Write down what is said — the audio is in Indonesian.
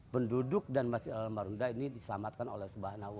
penduduk dan masjid al marunda ini diselamatkan oleh sebuah nawa